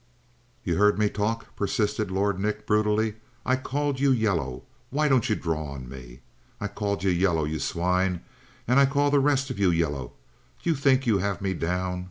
"You heard me talk?" persisted Lord Nick brutally. "I call you yellow. Why don't you draw on me? I called you yellow, you swine, and I call the rest of you yellow. You think you have me down?